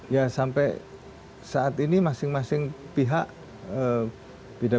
ya sampai saat ini masing masing pihak beda